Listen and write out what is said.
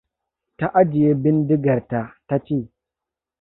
Ta ajiye bindigarta ta ce: